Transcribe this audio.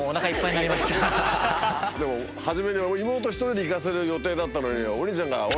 初め妹１人で行かせる予定だったのに。